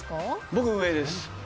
僕、上です。